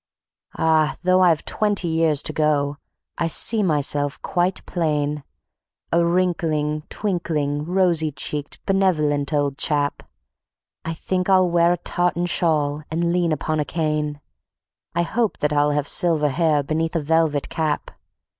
Ah, though I've twenty years to go, I see myself quite plain, A wrinkling, twinkling, rosy cheeked, benevolent old chap; I think I'll wear a tartan shawl and lean upon a cane. I hope that I'll have silver hair beneath a velvet cap.